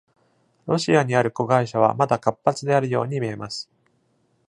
ロシアにある子会社は、まだ活発であるように見えます。